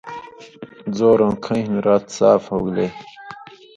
زورؤں کھیَیں ہِن رات صاف ہوگلے